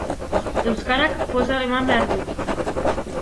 Euskarak poza eman behar du.